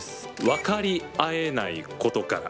「わかりあえないことから」。